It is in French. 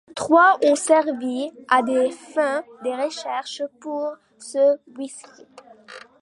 Trois ont servit à des fins de recherches pour ce whisky.